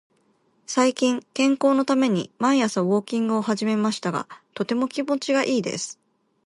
最近、健康のために毎朝ウォーキングを始めましたが、とても気持ちがいいです。